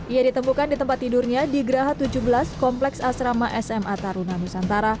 ia ditemukan di tempat tidurnya di geraha tujuh belas kompleks asrama sma taruna nusantara